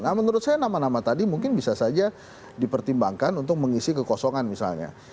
nah menurut saya nama nama tadi mungkin bisa saja dipertimbangkan untuk mengisi kekosongan misalnya